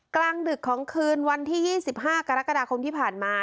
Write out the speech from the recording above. กลางดึกของคืนวันที่๒๕กรกฎาคมที่ผ่านมา